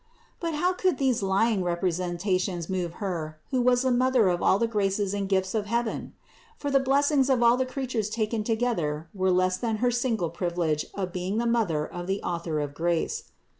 But how could these lying repre sentations move Her, who was the Mother of all the graces and gifts of heaven? For the blessings of all the creatures taken together were less than her single privi lege of being the Mother of the Author of grace.